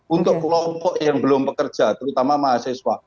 untuk kelompok yang belum bekerja terutama mahasiswa